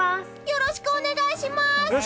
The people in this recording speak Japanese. よろしくお願いします！